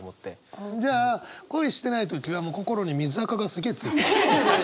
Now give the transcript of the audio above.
じゃあ恋してない時は心に水あかがすげえ付いてんだ。